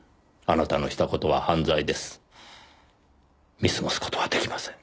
見過ごす事は出来ません。